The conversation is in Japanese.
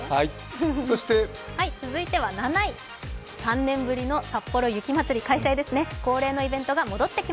続いては７位、３年ぶりのさっぽろ雪まつり開催ですね。